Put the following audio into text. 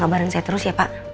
sabaran saya terus ya pak